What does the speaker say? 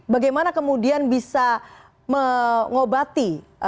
bagaimana kemudian bisa mengobati